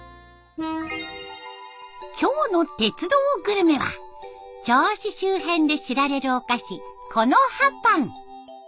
今日の「鉄道グルメ」は銚子周辺で知られるお菓子木の葉パン。